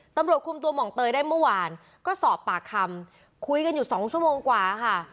ตำรวจคุมตัวหม่องเตยได้เมื่อวานก็สอบปากคำคุยกันอยู่สองชั่วโมงกว่าค่ะ